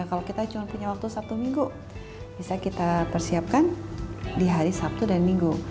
kalau kita cuma punya waktu satu minggu bisa kita persiapkan di hari sabtu dan minggu